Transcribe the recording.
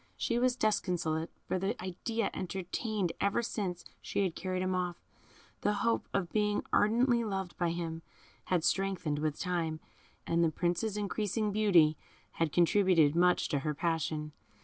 She was disconsolate; for the idea, entertained ever since she had carried him off, the hope of being ardently loved by him, had strengthened with time, and the Prince's increasing beauty had contributed much to her passion.